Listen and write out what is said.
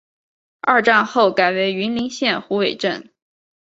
二战后改为云林县虎尾镇。